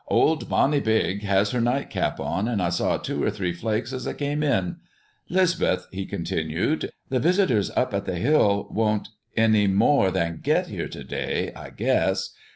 "Old Bonny Beag has her nightcap on, and I saw two or three flakes as I came in. 'Lisbeth," he continued, "the visitors up at the Hill won't any more than get there to day, I guess.